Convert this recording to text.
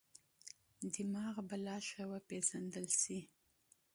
دماغ به لا ښه وپېژندل شي.